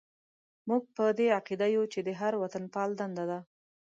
موږ په دې عقیده یو چې د هر وطنپال دنده ده.